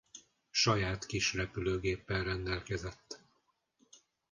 Saját kis repülőgéppel rendelkezett.